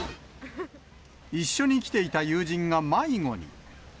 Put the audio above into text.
一緒に来ていた友人が迷子に。